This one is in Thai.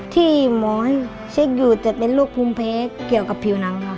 ที่หมอเช็คอยู่จะเป็นลูกภูมิเพศเกี่ยวกับผิวหนังค่ะ